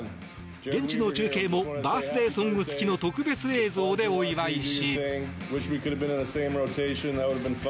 現地の中継もバースデーソング付きの特別映像でお祝いし。